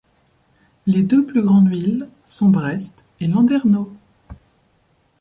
Les deux plus grandes villes sont Brest et Landerneau.